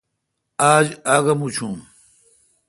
آج آگہ موچون۔